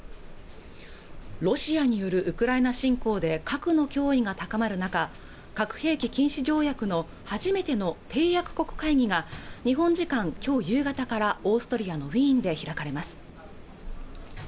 ロシアによるウクライナ侵攻で核の脅威が高まる中核兵器禁止条約の初めての締約国会議が日本時間きょう夕方からオーストリアのウィーンで開かれます